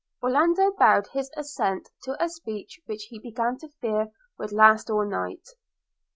Orlando bowed his assent to a speech which he began to fear would last all night.